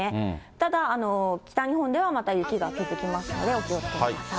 ただ北日本ではまた雪が降ってきますので、お気をつけください。